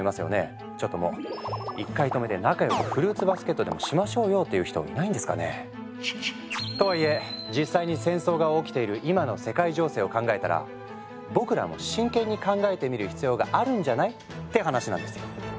ちょっともう「１回止めて仲よくフルーツバスケットでもしましょうよ」って言う人いないんですかね？とはいえ実際に戦争が起きている今の世界情勢を考えたら「僕らも真剣に考えてみる必要があるんじゃない？」って話なんですよ。